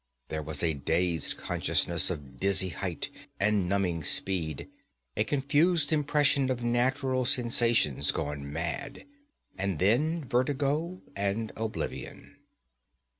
There was a dazed consciousness of dizzy height and numbing speed, a confused impression of natural sensations gone mad, and then vertigo and oblivion.